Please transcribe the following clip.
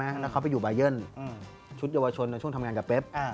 แล้วเขาไปอยู่บายันชุดเยาวชนในช่วงทำงานกับเป๊บ